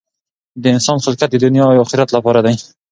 د انسان خلقت د دنیا او آخرت لپاره دی.